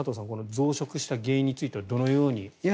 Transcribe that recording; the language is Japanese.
増殖した原因についてはどのように見てますか。